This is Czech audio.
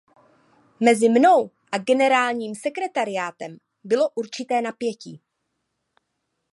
Mezi mnou a generálním sekretariátem bylo určité napětí.